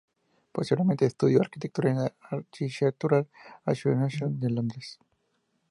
Posteriormente estudió arquitectura en la Architectural Association de Londres.